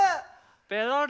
ペロリ。